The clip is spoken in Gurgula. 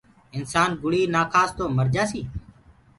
انسآن گُݪي نآ کآس تو مرجآسي